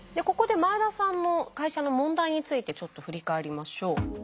ここで前田さんの会社の問題についてちょっと振り返りましょう。